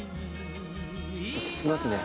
落ち着きますね。